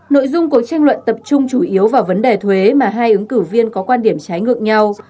nội dung cuộc tranh luận tập trung chủ yếu vào vấn đề thuế mà hai ứng cử viên có quan điểm trái ngược nhau